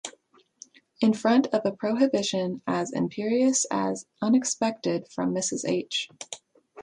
In front of a prohibition as imperious as unexpected, from Mrs. H.